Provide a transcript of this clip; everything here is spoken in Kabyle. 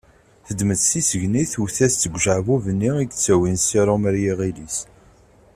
Teddem-d tisegnit tewwet-as-tt deg ujeɛbub-nni i yettawin ssirum ɣer yiɣil-is.